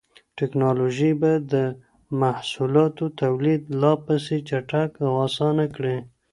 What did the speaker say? ټکنالوژي به د محصولاتو توليد لا پسې چټک او اسانه کړي.